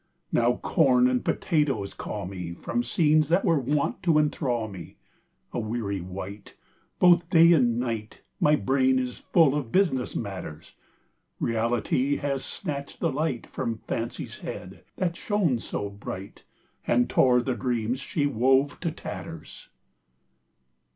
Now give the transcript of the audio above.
Now corn and potatoes call meFrom scenes were wont to enthrall me— A weary wight, Both day and nightMy brain is full of business matters, Reality has snatched the light, From fancy's head, that shone so bright, And tore the dreams she wove, to tatters!